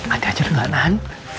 ada aja dong anan